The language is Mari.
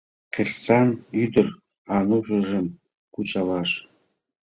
Кырсан ӱдыр Анушыжым кучалаш